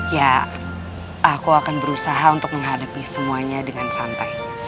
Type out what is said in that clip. ya aku akan berusaha untuk menghadapi semuanya dengan santai